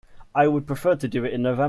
I would prefer to do it in November.